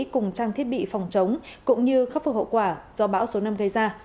cùng trang thiết bị phòng chống cũng như khắc phục hậu quả do bão số năm gây ra